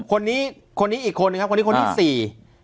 คนนี้อีกคนนะครับคนนี้คนที่๔